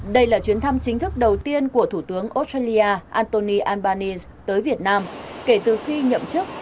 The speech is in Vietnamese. đây là chuyến thăm chính thức đầu tiên của thủ tướng australia antoni albanesin tới việt nam kể từ khi nhậm chức